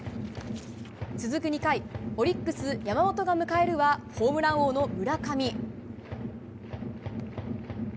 続く２回、オリックス山本が迎えるのはホームラン王の村上。